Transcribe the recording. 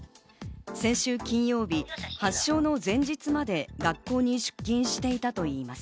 先週金曜日、発症の前日まで学校に出勤していたといいます。